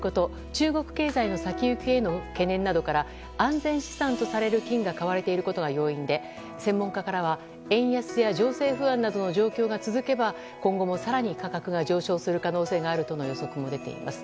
中国経済への懸念などから安全資産とされる金が買われているのが要因で専門家からは、円安や情勢不安などの状況が続けば今後も更に価格が上昇する可能性があるとの予測も出ています。